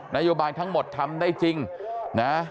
นโยบายทั้งหมดทำได้จริงนะ